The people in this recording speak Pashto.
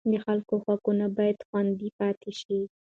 د خلکو حقونه باید خوندي پاتې شي.